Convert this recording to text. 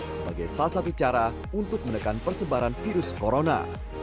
sebagai salah satu cara untuk menekan persebaran virus corona